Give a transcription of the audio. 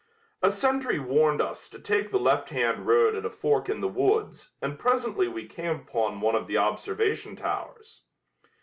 A sentry warned us to take the left hand road at a fork in the woods and presently we came upon one of the observation towers.